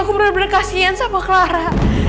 aku bener bener kasihan sama clara